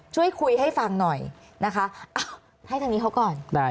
ช่วยคุยให้ฟังหน่อยนะคะอ้าวให้ทางนี้เขาก่อน